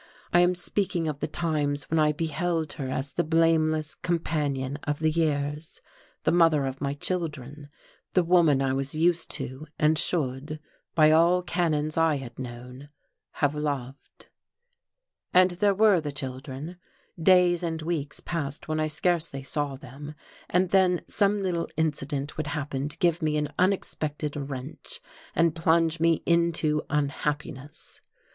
I am speaking of the times when I beheld her as the blameless companion of the years, the mother of my children, the woman I was used to and should by all canons I had known have loved.... And there were the children. Days and weeks passed when I scarcely saw them, and then some little incident would happen to give me an unexpected wrench and plunge me into unhappiness.